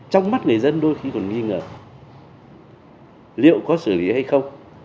trong mắt người dân đôi khi còn nghi ngờ có xử lý hay không